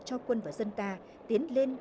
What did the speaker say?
cho quân và dân ta tiến lên